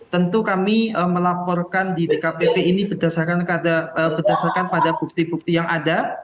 tentu kami melaporkan di dkpp ini berdasarkan pada bukti bukti yang ada